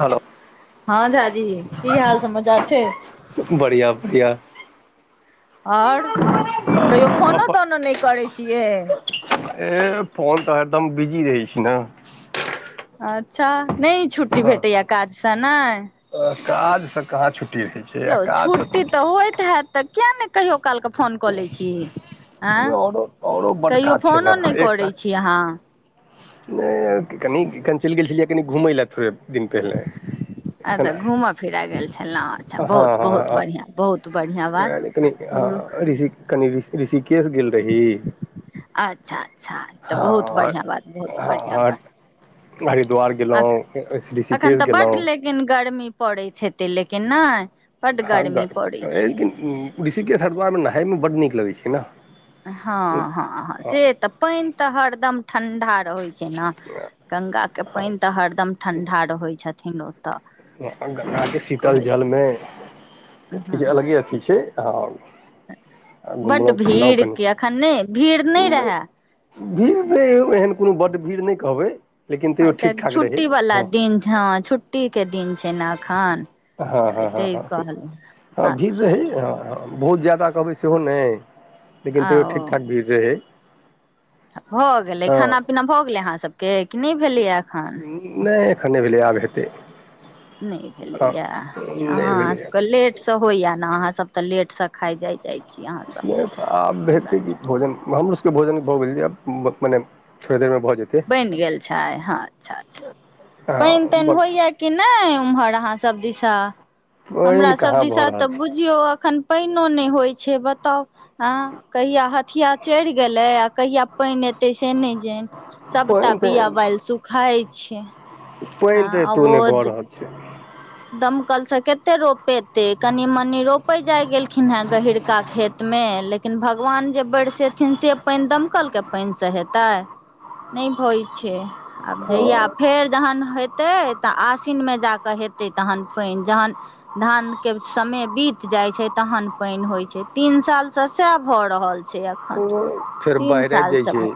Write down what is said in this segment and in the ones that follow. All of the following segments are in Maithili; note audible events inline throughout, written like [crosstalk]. हेलो हँ हं झाजी काकी की हाल समाचार छै बढ़िआ बढ़िआ आओर कहियो फोनो तोनो नहि करै छियै ए फोन तऽ हरदम बिजी रहै छै ने अच्छा नहि छुट्टी भेटैया काजसँ ने काजसँ काज यौ छुट्टी तऽ होइत हैत तऽ कियाक नहि कहियो कालके फोन कऽ लैत छी आँ औरो औरो बड कहियो काज छै फोनो ने नहि करै छी अहाँ नहि कनि कनि चलि गेल छलियै कनि घुमय लए दिन पहिले एखन अच्छा घूमऽ फिरऽ गेल छलहुँ अच्छा हँ बहुत बहुत हँ बढ़िआँ बहुत बढ़िआँ बात कनी ऋषि केस गेल रही अच्छा अच्छा तऽ बहुत हँ बढ़िआँ बात बहुत बढ़िआँ हँ हरिद्वार बात गेलहुँ एखन ऋषिकेश तऽ बड गेलहुँ लेकिन गर्मी पड़ैत हेतै लेकिन नहि बड्ड हँ गर्मी पड़ै छै गाइ ऋषिकेश हरद्वार नहायमे बड़ नीक लगैत छै ने हँ हँ हँ से तऽ पैन तऽ हरदम ठंडा रहैत छै जेना गंगा के पानि तऽ हरदम ठंडा रहै छथिन ओतऽ गंगाके शीतल कहै छै जलमे किछु अलगे अथी छै हं बड भीड़के अखन नहि भीड़ नहि रहए भीड़ त एहन कोनो बड्ड भीड़ नहि कहबै लेकिन हँ तैयो ठीक कियकि ठाक रहै छुट्टी वाला हँ दिन हँ छुट्टी के दिन छै ने एखन हँ तऽ हँ तै हँ हँ कहलहु हँ भीड़ अच्छा रहै अच्छा हँ हँ बहुत ज्यादा कहबै सेहो नहि लेकिन आ तैयो ठीकठाक ओ भीड़ रहै भऽ गेलै हँ खाना पीना भऽ गेलै अहाँसभके कि नहि भेलैए एखन खन नै भेलै आब हेतै नहि हँ भेलैएयो नहि अहाँ भेलैए सभके लेटसँ होइएा ने अहाँसभ तऽ लेट से खा जाइ जाइ छै नहि आब बतै कि भोजन हमरो सबके भोजन भऽ गेल आब मने धे बैन गेल छै हँ अच्छा अच्छा हँ पैन तैन होइया कि नहि उम्हर अहाँ सब दिस त हमरा पानि सब कहाँ दिशा भऽ तऽ रहल छै बुझियौ अखन पैनो नहि होइ छै छ बताउ आँ कहिया हथिया चढ़ि गेलै आ कहिया पैन एते से नैय जे सभटा पानि बिया बैल सुखाइत छै पैन हँ तऽ एतो न भऽ रहल छै दम कलसँते रोप पेते कनि मनी रोपे जाय गेलखिन हेँ गहिीरका खेत मे लेकिन लेकिन भगवान जे बढ़सेथिन से पैन दमकलके पानिसँ हेतै नैय भय छै आब जहिआ हँ फेर जखन हेतय तऽ आश्विनमे जा कऽ हेतै तहन पैन जहन धान के समय बीत जाइ छै तहन पैन होइ छै तीन साल स साय भऽ रहल छै छ अखन फेर तीन बाढ़ि आबि जाइ सालसँ छै घ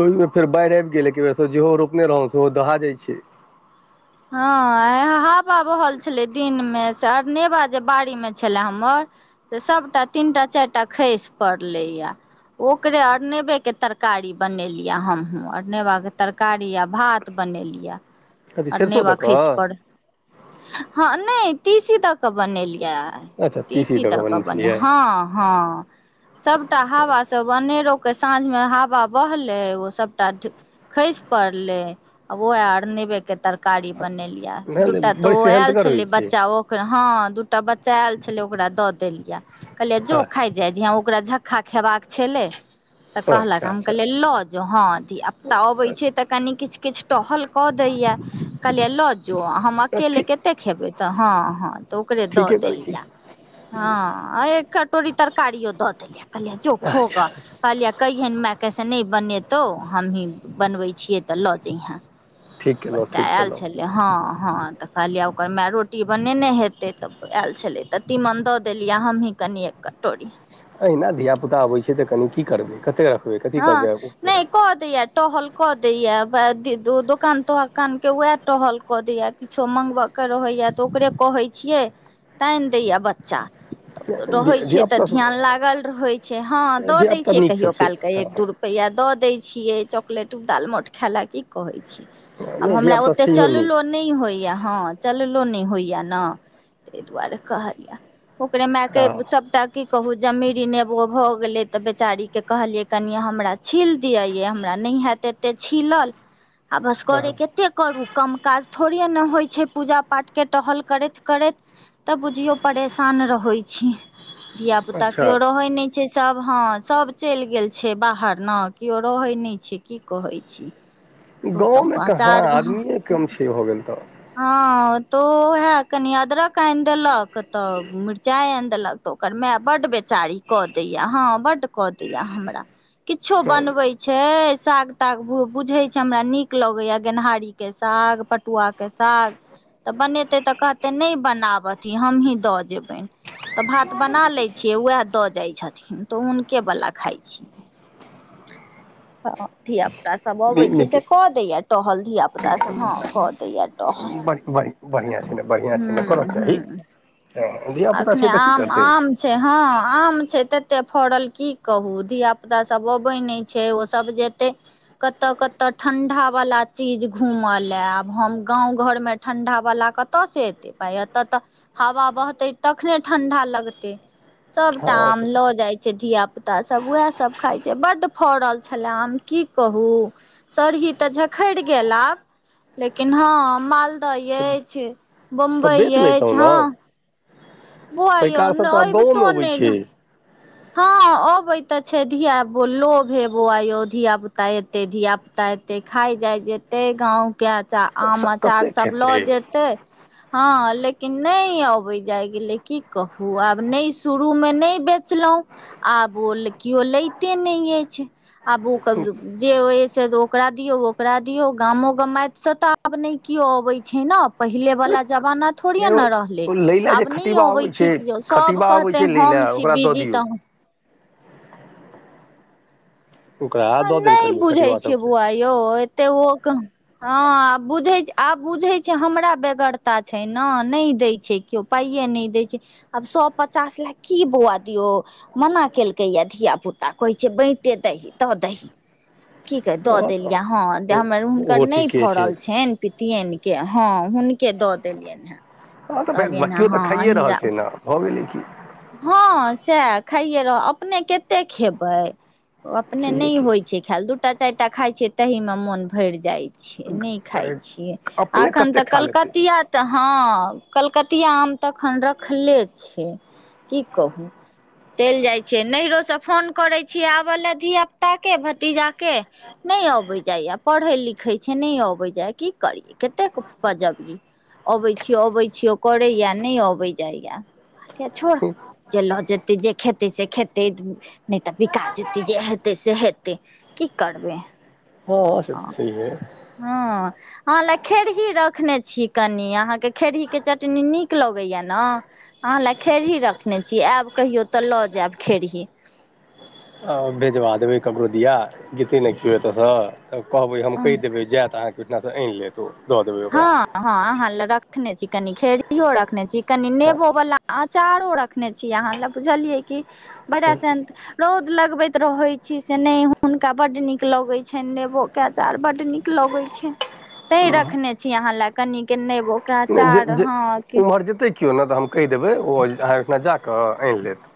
ओहिमे फेर बाढ़ आब गेलै ए बेर जहो रोपने रहौ सेहो दहा जाइ छै हँ आय हाबा बह छल दिन मे से अरनेवा जे बाड़ी मे छले हमर से सबटा ती तीन टा चारि टा खसि पड़लै या ओकरे अरनेवेके तरकारी बनेलियै हमहहुँ अरनेवाे तरकारी य भात बन बनेलिया कथी आर सरिसो नेबा दऽ खस परड़ कऽ हँ नहि तीसी दऽ के बनेली इ अच्छा तीसी तसी दऽ कऽ तऽ क बनेने बने छलियै हँ हँ सबटा हावा सब अनेरो साँझ मे हवा बहले ओ सबटा खसि पड़ले आ ओह आर े के तरकारी बनेलियै नहि दूटा नहि तो बड़ी ओ आयल सेहन्तगर होइ छले छै बच्चा ओ ह दू टा बच्चा आयल छलै ओकरा द देलियै कहलिये जो खा जाय जहिया ओकरा झक्का खेबाक छलै तऽ कहलक अच्छा हम कहलियै अच्छा लऽ जाउ हँ धियाप तता अबैत छै तऽ कनि किछु किछु टहल कऽ दैया कहलियै लऽ जो हम अकेले ठीक कतेक खेबै तऽ हँ हँ तऽ ओकरे दऽ ठीके करै छी देलियै हँ एक कटोरी तरकारियो दऽ देलियै कहलिय चो खोग अच्छा कहलिय कहैन हमाय कैसे नहि बनेतौ हमही बनबै छियै तऽ लऽ जैहें ठीक केलहुँ बच्चा ठीक आयल केलहुँ छलै हँ हँ तऽ कहलियै ओकर माय रोटी बनेने हेतै तऽ आयल छलै तऽ तीमन दऽ देलियै हमहीँ कनि क टोरी एहिना धियापुता अबैत छै तऽ कनि की करबै कतेक रखबै कथी हँ करबै अपने। नहि कहत इटहल क देया दोकान तोह कान के उह टहल क देया किछो मंगवा के रहे तऽ ओकरे कहै छियै तैन दैया बच्चा रहैत छै तऽ धियापुता ध्यान लागल रहैत छै हँ दऽ दैत धियापुता छियै नीक सब कहियो छै काल एक दू रुपा द देय छिये चॉकलेट उडाल मोट खाय ला की कहे छै आब नहि हमरा धियापुता ओते छैहो नीक चललो नहि होइया हँ चललो नहि होइया ने ताहि दुआरे कहलया ओकरे माय के हँ सबटा की कहू जमीरी नेबो भऽ गेले ते बेचारी के कहलिये कनििय हमरा छील दिअ ये हमरा नहि हैत एतेक छीलल आ बस करे हँ कतेक करू कम काज थोड़े ने होइ छै पूजा पाठ के टहल करैत करैत तब बुझियो परेशान रहै छी धिय पुता अच्छा केओ रहै नहि छै सब हँ सब चलि गेल छै बाहर ने केओ रहै नहि छै की कहै छी तू सब गाँवमे कहाँ चार द आदमिए कम छै हो गेल हँ तो ओहे कनी अदरक आनि देलक तऽ मिरचाई आनि देलक तऽ ओकर माय बड बेच बेचारी कऽ दैया हँ बड्ड कऽ दैया हमरा किछो तऽ बनबे छै साग ताग भ बुझे जे हमरा नीक लगैया गेनहारीकेँ साग पटुआकेँ साग तऽ बनेतै तऽ कहतै नहि बनाब अथी हमहीँ दऽ जेबनि तऽ भात बना लैत छियै उएह दऽ जाइत छथिन तऽ हुनकेवला खाइ छियै हँ धिय पुता सभ अबै छै से नीके कऽ दैया टहल धिय पुता सब हँ कऽ दैया ढ़ बढ़िआँ छै ने बढ़िआँ छै ने करऽके चाही हँ धियापुता एखने छै तऽ की आम करतै आम छै हँ आम छै त कते फड़ल की कहू धिया पुता सब अबै नहि छै ओ सब जेते कत कतऽ ठंडा वाला चीज घूमऽ ले आब हम गांव घर में ठंडा वाला कत से एते एतऽ तऽ हवा बहतैय तखने ठंडा लगते सबटा हँ आम से लऽ तऽ जाय छै धिया पुता ध पुता सब वएह सब खाइ छै बड्ड फड़ल छले आम की कहू सरही तऽ झ पखड़ गेल आब लेकिन हँ मालदह अइछ तऽ बम्बई बेच लैतहुँ अछि ने हँ बौआ यौ पैकार सब तऽ आब ऐबतो गाँवोमे अबै छै न हँ अबै तऽ छै धिया लोभे बौआयो धिया पुता एते धिया पुता एते खााय जाय जेतै गाँंव केअचार आम तऽ अचार कतेक सब लऽ खेतै जेतै हँ लेकिन नहि अबे जाय गेले की कहु आब नहि शुरू मे नहि बेचलहुं आब ओ केओ लैते नहि अछि आब ओ जे होये से ओकरा ियौ ओकरा दियौ गामो ग मसँ तऽ आब नहि केओ अबै छै ने पहिले वलाा जमाना थोड़िे ने रहलै लै लए जे आब नहि खटिबा अबै छै किओ सभ खटिबा अबै कहतै छै लै हम लए छी ओकरा दऽ बिजी दियौ तऽ ओकरा दऽ देल नहि करियौ बुझै खटिबा छियै सबके बौआ यौ एते ओ हँ बुझ आब बुझे छै हमरा बेगरता छै ने नहि दय छै केओ पाइए नहि दैत छै आब सए पचास ला की बौआ दियौ मना केलकै या ध धिया पुता कहैछ छै बैटे दही दऽ दही की कह दऽ हँ तऽ देलियै हँ ओ हमर हुनकर ओहो नहि ठीके छै फरल छनि पितियैन के हँ हुनके दऽ देलियनि हेँ हँ तऽ कहलियनि हेँ बच्चियो तऽ हँ खाइए रहल अहीं छै ने भऽ गेलै की हँ सएह खाइए रह अपने कतेक खेबै अपने छैहे नहि की होइ छै खेएल दू सबूटा चारि टा खाय छिये तही में मोन भरि जाय छैय नहि खाय छिय अपने एखन कते तऽ खा लेतै कलकतिया तऽ हँ कलकतिया आम तऽ एखन रखले छै की कहू चलि जाइत छियै नैहिरोसँ फोन करैत छियै आबय लए धियापुताके भतीजाके नहि अबैत जाइए पढ़ैत लिखैत छै नहि अबैत जाय की करियै कतेक बजबियै अबै छीयौ अबैत छियौ करैएा नहि अबैत जाइया छोड़ जे लऽ जेतै जे खेतै से खेतै नहि तऽ बिका जेतैय जे हेतै से हेतै की करबै हँ से तऽ छैये अहाँ लए खेरही रखने छी कनि अहाँके खेरहीकें चटनी नीक लगैय न अहाँ लए खेड़ही रखने छी आयब कहियो तऽ लऽ जायब खेरही अ भेजवा देबय ककरो दिया जतै नहि केओ एतऽसँ त कहबै हम हँ कहि देबै जेएत अहाँके ओहिठामसँ आनि लेत ओ दऽ देबै हँ ओकरा हँ अहाँ ल रखने छी कनि खेरियो रखने छी कनि हँ नेबो वाला अचारो रखने छी अहा ले बुझलिये की बढ़ असत रौद [unintelligible] लगबैत रहय छी से ने हुनका बड नीक लगैत छनि नेबो कें अचार बड नीक लगैत छैनि त रखने छी अहां ल कनिके नेबो नहि जे ओम्हर जेतै केओ नहि तऽ हम कहि देबै ओ अहाँ ओहिठना जाकऽ आनि लेत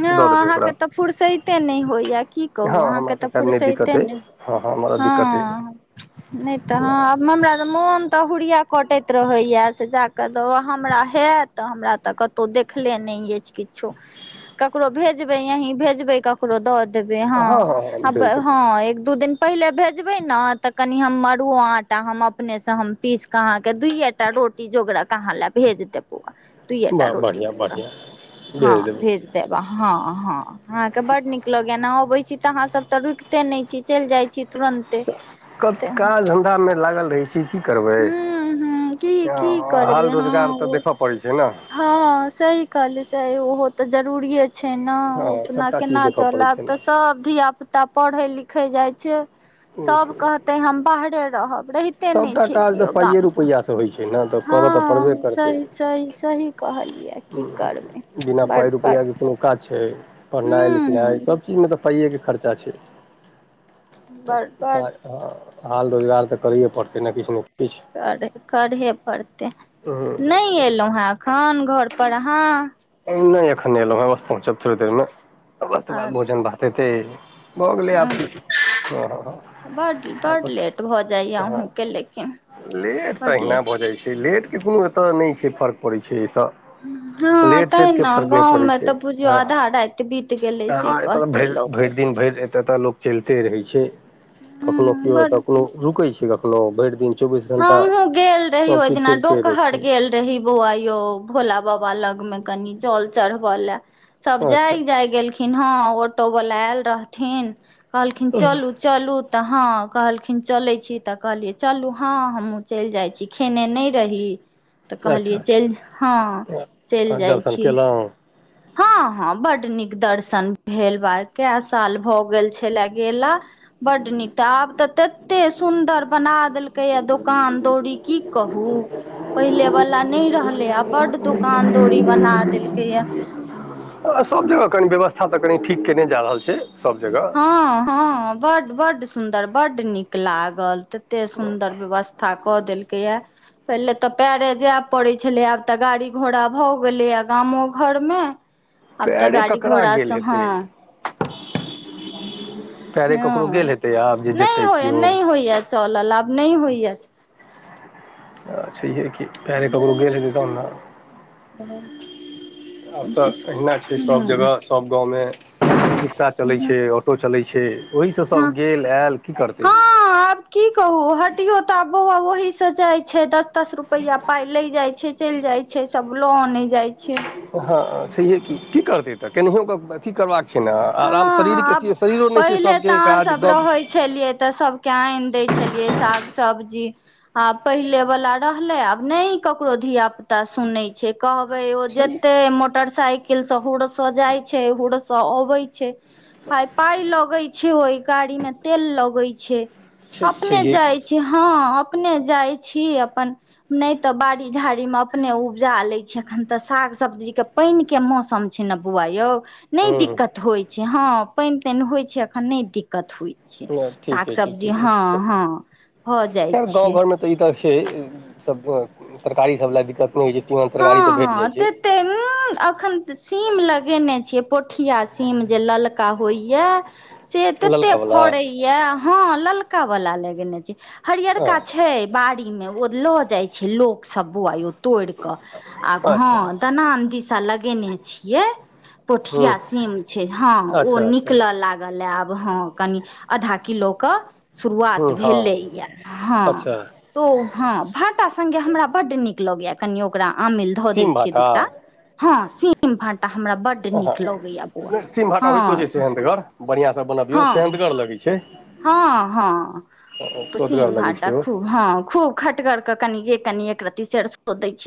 नहि दऽ देबै ओकरा अहाँके तऽ फुर्सते नहि होइया की हँ कहू हमरा अहाँके तऽ टका नहि फुर्सते दिक्कत अइ न हँ हँ हमरा हो दिक्कत अइ नईत हँ ह मोन तऽ हड़िया कटैत रहेया से जााके द हमरा हेत त हमरा तऽ कतौ देख देखले नहि अछि किछो ककरो भेजबै यीं भेजबै ककरो दऽ देबै हँ हँ एक दू दिन पहिले भेजबै ने तऽ कनि हम मरु आटा हम अपनेसँ हम पीस कऽ अहाँके दुूइटा रो रोटी जोगरा कहाँ लए भेज दे पौा दुएटा वाह रोटी बढ़िआँ जोगरा बढ़िआँ हँ भेज देब हँ हँ अहाँके बड नीक लगय ने अबै छी तऽ अहाँ सब तऽ रुकिते नहि छी चलि जाइ छी तुरन्ते क हूं काज धन्धामे लागल रहै छी की करबै ह की की करबै हाल रोजगार तऽ हँ देखय पड़ै छै ने हँ स कहलसँ ओहो तऽ जरूरी ह छै ने ओ हँ अपना सभटा चीज केना देखय पड़ै छै चलब तऽ सब धियापुता पढ़ै लिखै जाइत छै सभ ने कहतै हम बाहरे रहब रहिते नहि सभटा छै काज तऽ पाइए गाम रुपैआसँ होइ छै ने तऽ करऽ तऽ पड़बे हँ करतै सही सही सही कहलियै की करबै बिना पाइ बड बड रुपैआकेँ कोनो काज छै हूं पढ़नाइ लिखनाइ हूं सभचीजमे तऽ पाइएकें खर्चा छै तऽ बड बड काज हँ हाल रोजगार तऽ करैए पड़तै ने किछु नहि कर करहे पड़तै ह नहि एलहुँ हेँ एखन घर पढ़हाँ [unintelligible] नहि एखन एलहुँ हँ बस पहुँचब थोड़े देर मेस बाद भोजन भात हेतै भऽ गेलै आ आबकी ह अच्छा बड्ड बड्ड लेट भऽ जाइए अहुँके लेकिन लेट तऽ बड अहिना लेट भऽ जाइत छै लेटके कोनो एतय नहि छै फर्क पड़ैत छै एहिसँ हू हँ लेट ते तेटके ने फर्क नहि गाँव पड़ै में छै तऽ बुझियौ हँ आधा राति बीत गेलै से अहाँ एतय तऽ कहते भरि लोक भरि दिन भरि एतऽतऽ लोक चलिते रहै छै कखनो केओ एतऽ बड कखनो रुकै छै कखनो भरि दिन चौबीस घण्टा हमहुँ गेल रही ओहि सभचीज दिना चलिते रहै डोकहर छै गेल रही बौआ यौ भोला बाबा हा लग में कनि जल चढ़ब ले सब अच्छा जाय जाय गेलखिन ह ऑटो वाल आयल रहथिन कहलखिन चलू चलू तऽ हँ कहलखिन चले छी तऽ कहलियै चलू हँ हमहूँ चलि जाइ छी खेने नहि रही तऽ अच्छा अच्छा कहलियै चलि हँ चलि अच्छा जाइ दर्शन छी केलहुँ हँ हँ बड नीक दर्शन भेल ब क साल भऽ गेल छले गेला बड्ड नीक तऽ आब तऽ तते सुन्दर बना देलकै दुकान दौरी की कहू पहले वाला नै रहलैय बड दुकान दौरी बना देलकै या सभ जगह कनि व्यवस्था तऽ कनि ठीक कयने जा रहल छै सभ जगह हँ हँ बड बड सुन्दर बड नीक लागल तऽ एतेक सुन्दर व्यवस्था कऽ देलकैए पहिले तऽ पएरे जाय पड़ैत छलै आब तऽ गाड़ी घोड़ा भऽ गेलैए गामो घरमे आ त पैरे गाड़ी ककरा घोड़ा गेल अ हँ आ हँ नहि होइ केओ नहि होइए चलल आब नहि होइए अ सहिए कि आब तऽ अहिना छै सभ जगह सभ गाँवमे रिक्शा चलैत छै ऑटो चलै छै ओहिसँ ह सभ गेल आयल की करतै हँ आब की कहू हटियौ तऽ बौआ ओही से जाइ छै दस दस रुपआ पााय ले जाइ छै चलि जाय छै सब लो आने जाय छै हँ छैहे की की करतै तऽ केनाहिय अथी करबाक छै ने आराम शरीर हँ पहिल तऽ अह सब गप रहै छलिय त सबके आनि द छलिय साग सब सब्जी आ पहिले वाला रहले आब ने ककरो धिया पुता सुनै छै कहबै ओ छै जतेक मोटरसाइकिलसँ हुरसँ जाइत छै हुरसँ अबैत छै पइ पााय लगै छै ओहि गाड़ी मे तेल लगैत छै छै अपने छैहे की जाइ छी हँ अप अपने जाय छी अपन नहि तऽ बाड़ी झाड़ी में अपने उपजा ले छी अखन तऽ साग साग सब्जीके पानिके मौसम छै ने बौआ यौ नहि हूँ दिक्कत होइ छै हँ पानि तानि होइ छै अखन नहि दिक्कत होइत छै छै हूँ साग ठीके छै सब्जी ठीके हँ हँ भऽ जाइ खैर गाँव छै घरमे तऽ ई तऽ छै सब तरकारी सब लए दिक्कत नहि होइ छै तीमन हँ तरकारी तऽ भेट हँ जाइ त छै ते म एखन सीम लगेने छियै पो पठिया सीम जे ललका होइया से तते ललका वला फड़े य हँ ललका वा लगे छै हरियरका छै बारी मे ल जाइ छै लोक सब बुआ यो तोड़ क आब ह अच्छा दनाल दिश साल लगेने छियै हूँ पोठिया सीम छै हँ ओ अच्छा अच्छा निकलय लागल य आब हँ कनि आधा किलोे क हूँ शुरुआत हँ भेले यए हँ अच्छा तो हँ भाटा सङ्गे हमरा बड्ड नीक लग कनिय आम लग ढ सीम देछी भाटा दोता हँ सेम भात आ सिम भाटा होइतो हँ छै सेहगर बढ़ियां से बनाबियौ हँ सेहन्दगर लगै छै हँ हँ सीम सोअदगर लगै भाटा छै ओ खूब हँ खूब खट कर के कनि जे कनि एक रती सेर सो दै छै न